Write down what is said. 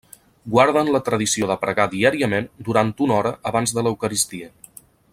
Guarden la tradició de pregar diàriament durant una hora abans de l'eucaristia.